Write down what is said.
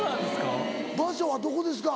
場所はどこですか？